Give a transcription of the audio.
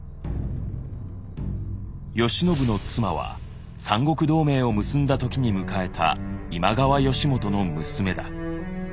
義信の妻は三国同盟を結んだ時に迎えた今川義元の娘だ。